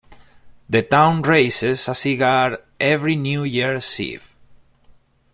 The town raises a cigar every New Year's Eve.